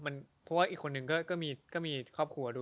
เพราะว่าอีกคนนึงก็มีครอบครัวด้วย